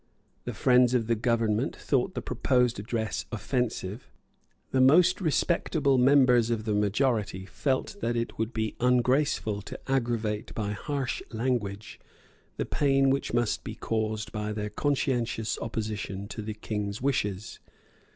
The friends of the government thought the proposed address offensive. The most respectable members of the majority felt that it would be ungraceful to aggravate by harsh language the pain which must be caused by their conscientious opposition to the King's wishes.